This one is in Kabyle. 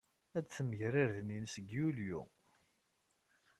Ad temger irden-nnes deg Yulyu.